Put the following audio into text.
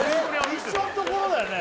一緒のところだよね